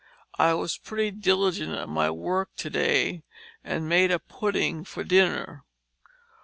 I was pretty diligent at my work to day and made a pudding for dinner.